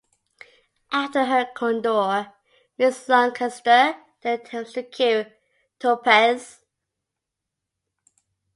After her candour, Mrs. Lancaster then attempts to kill Tuppence.